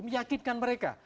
ini meyakinkan mereka